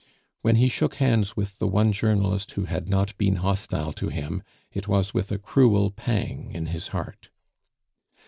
When he shook hands with the one journalist who had not been hostile to him, it was with a cruel pang in his heart.